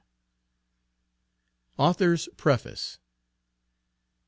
AUTHOR'S PREFACE.